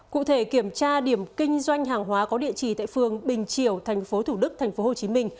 cụ thể kiểm tra điểm kinh doanh hàng hóa có địa chỉ tại phường bình triều tp thủ đức tp hcm